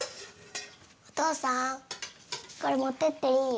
おとうさんこれ持ってっていい？